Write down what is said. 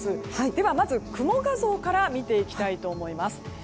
では、まず雲画像から見ていきたいと思います。